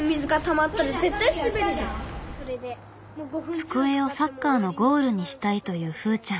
机をサッカーのゴールにしたいというふーちゃん。